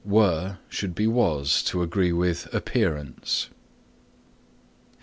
(Should be was to agree with appearance.)